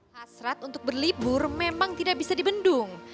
hasrat untuk berlibur memang tidak bisa dibendung